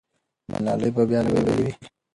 ملالۍ به بیا لنډۍ ویلې وې.